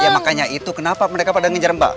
ya makanya itu kenapa mereka pada ngejar mbak